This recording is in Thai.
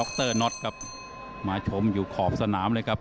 กุ้งนี้ครับผู้ชมอยู่ขอบสนามเลยครับ